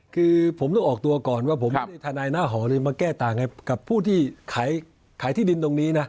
คือผมต้องออกตัวก่อนว่าผมไม่ได้ทนายหน้าหอเลยมาแก้ต่างกับผู้ที่ขายที่ดินตรงนี้นะ